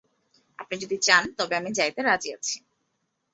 আপনি যদি যান, তবে আমি যাইতে রাজি আছি।